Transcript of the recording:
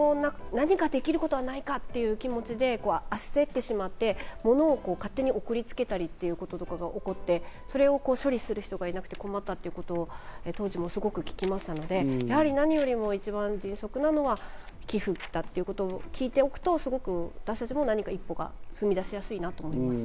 自分に何かできることはないかという気持ちで焦ってしまって物を勝手に送りつけたりということで、それを処理する人がいなくて、困ったということを当時、すごく聞きましたので、何よりも迅速なのは寄付だということを聞いておくと、私たちも何か一歩を踏み出しやすいと思います。